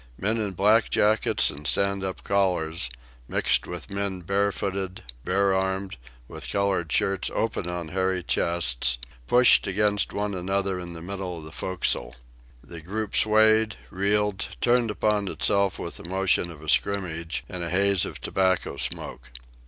Men in black jackets and stand up collars, mixed with men bare footed, bare armed, with coloured shirts open on hairy chests, pushed against one another in the middle of the forecastle. The group swayed, reeled, turning upon itself with the motion of a scrimmage, in a haze of tobacco smoke.